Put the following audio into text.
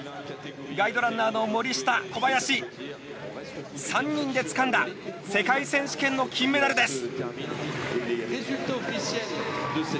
ガイドランナーの森下、小林３人でつかんだ世界選手権の金メダルです。